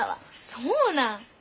そうなん？